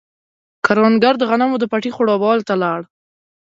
کروندګر د غنمو د پټي خړوبولو ته لاړ.